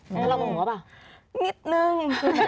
แบบหนิดนึง